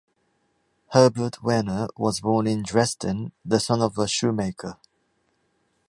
Herbert Wehner was born in Dresden, the son of a shoemaker.